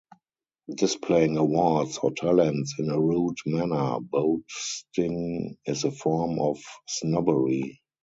Displaying awards or talents in a rude manner, boasting, is a form of snobbery.